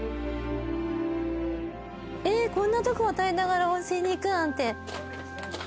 えっこんなとこ渡りながら温泉に行くなんて。